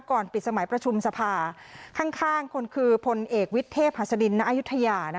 ก่อนปิดสมัยประชุมสภาข้างคนคือพลเอกวิทเทพหัสดินณอายุทยา